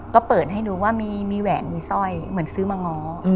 ก็เปิดให้ดูว่ามีแหวนมีสร้อยเหมือนซื้อมาง้อ